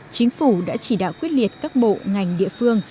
chính phủ đã chỉ đạo quyết liệt các bộ ngành địa phương